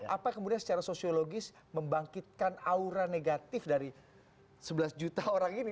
apa kemudian secara sosiologis membangkitkan aura negatif dari sebelas juta orang ini